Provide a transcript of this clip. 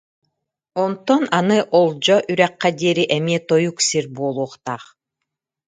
Онтон аны Олдьо үрэххэ диэри эмиэ тойук сир буолуохтаах